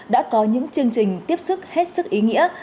đã có những chương trình tiếp sức hết sức ý nghĩa